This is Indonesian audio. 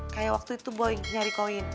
kayak waktu itu boeing nyari koin